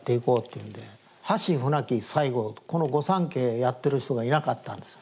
橋舟木西郷とこの御三家やってる人がいなかったんです。